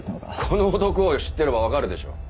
この男を知ってれば分かるでしょう。